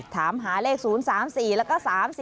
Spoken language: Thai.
ถามหาเลข๐๓๔แล้วก็๓๔